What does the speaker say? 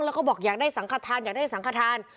แล้วก็บอกอยากได้สังขทาน